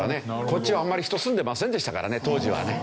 こっちはあんまり人住んでませんでしたからね当時はね。